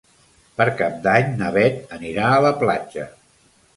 Per Cap d'Any na Bet anirà a la platja.